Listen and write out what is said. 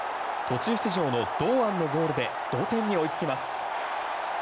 途中出場の堂安のゴールで同点に追いつきます。